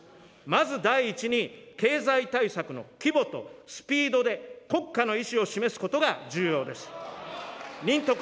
まず第一に、経済対策の規模と、スピードで国家の意思を示すことが重要です。